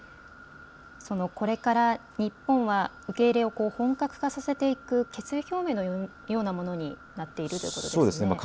これから日本は受け入れを本格化させていく決意表明のようなものになっていくということですね。